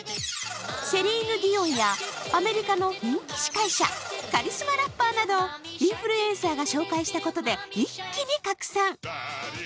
セリーヌ・ディオンやアメリカの人気司会者、カリスマラッパーなどインフルエンサーが紹介したことで一気に拡散。